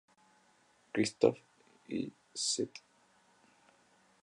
Christoph y St.